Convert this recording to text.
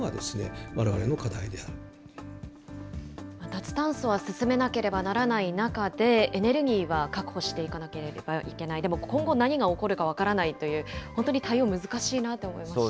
脱炭素は進めなければならない中で、エネルギーは確保していかなければいけない、でも今後、何が起こるか分からないという、本当に対応難しいなと思いました。